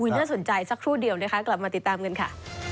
น่าสนใจสักครู่เดียวนะคะกลับมาติดตามกันค่ะ